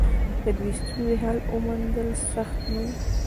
د دې ستونزې حل موندل سخت نه و.